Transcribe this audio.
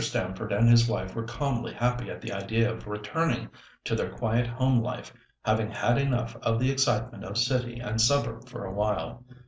Stamford and his wife were calmly happy at the idea of returning to their quiet home life, having had enough of the excitement of city and suburb for a while.